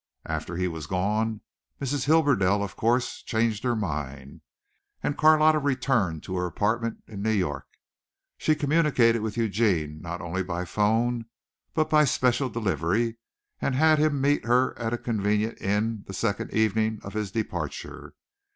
After he was gone Mrs. Hibberdell of course changed her mind, and Carlotta returned to her apartment in New York. She communicated with Eugene not only by phone but by special delivery, and had him meet her at a convenient inn the second evening of his departure.